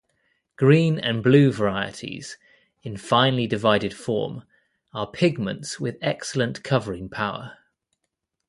Green and blue varieties, in finely divided form, are pigments with excellent covering power.